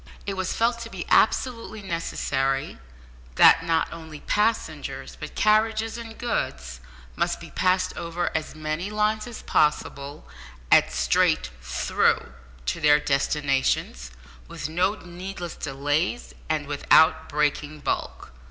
It was felt to be absolutely necessary that not only passengers, but carriages and goods, must be passed over as many lines as possible, at straight "through" to their destinations, with no needless delays, and without "breaking bulk."